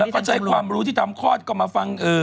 ก็ใช้ความรู้ที่ทำข้อ